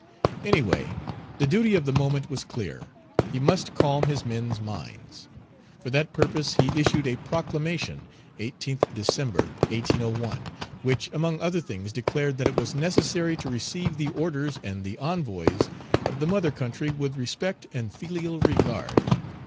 Any way, the duty of the moment was clear; he must calm men's minds. For that purpose he issued a proclamation (18th December, 1801), which, among other things, declared that it was necessary to receive the orders and the envoys of the mother country with respect and filial regard.